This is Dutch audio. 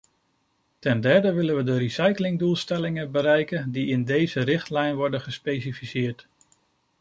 Ten derde willen we de recyclingdoelstellingen bereiken die in deze richtlijn worden gespecificeerd.